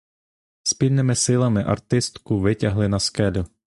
Спільними силами артистку витягли на скелю.